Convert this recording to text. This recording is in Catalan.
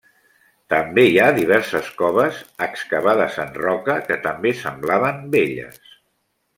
També hi havia diverses coves, excavades en roca, que també semblaven velles.